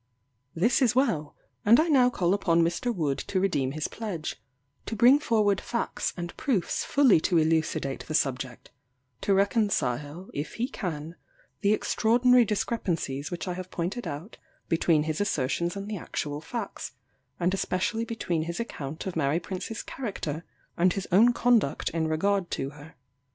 This is well: and I now call upon Mr. Wood to redeem his pledge; to bring forward facts and proofs fully to elucidate the subject; to reconcile, if he can, the extraordinary discrepancies which I have pointed out between his assertions and the actual facts, and especially between his account of Mary Prince's character and his own conduct in regard to her.